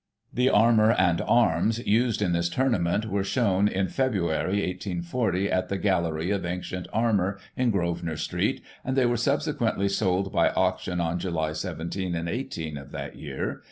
The armour and arms used in this tournament were shown in Feb., 1840, at the Gallery of Ancient Armour in Grosvenor Street, and they were subsequently sold by Auction on July 17 and 18 of that year.